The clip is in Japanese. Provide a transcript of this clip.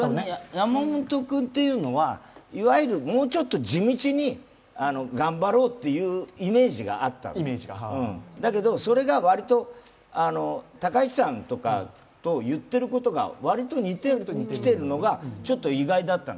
山本君っていうのはもうちょっと地道に頑張ろうっていうイメージがあったわけ、それがわりと高市さんとかと言ってることが似てきてるのが、ちょっと意外だったの。